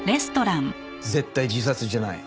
絶対自殺じゃない。